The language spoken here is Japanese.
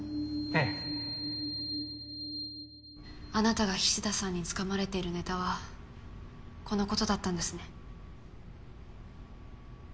ええあなたが菱田さんに掴まれているネタはこのことだったんですね。